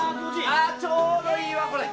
あぁちょうどいいわこれ。